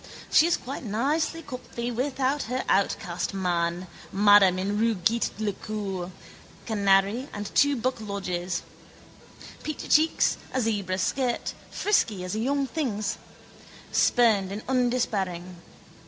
She is quite nicey comfy without her outcast man, madame in rue Gît le Cœur, canary and two buck lodgers. Peachy cheeks, a zebra skirt, frisky as a young thing's. Spurned and undespairing.